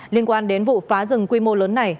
liên quan đến vụ phá rừng quy mô lớn này